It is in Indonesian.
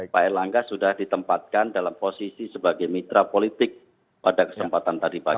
pak erlangga sudah ditempatkan dalam posisi sebagai mitra politik pada kesempatan tadi pagi